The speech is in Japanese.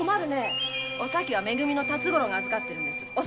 お咲は「め組」の辰五郎が預かってるんです！